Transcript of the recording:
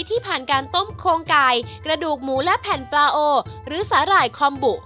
ที่ผ่านการต้มโครงไก่กระดูกหมูและแผ่นปลาโอหรือสาหร่ายคอมบุ